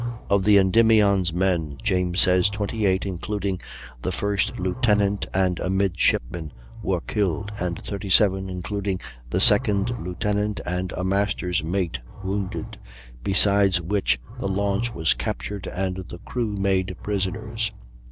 Of the Endymion's men, James says 28, including the first lieutenant and a midshipman, were killed, and 37, including the second lieutenant and a master's mate, wounded; "besides which the launch was captured and the crew made prisoners."